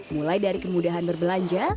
mulai dari kemudahan berbelanja